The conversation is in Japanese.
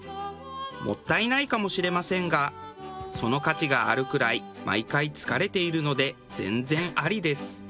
もったいないかもしれませんがその価値があるくらい毎回疲れているので全然ありです。